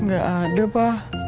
gak ada pak